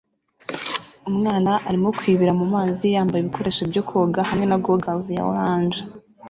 Umwana arimo kwibira mu mazi yambaye ibikoresho byo koga hamwe na gogles ya orange